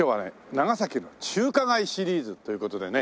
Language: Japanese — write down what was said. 長崎の中華街シリーズという事でね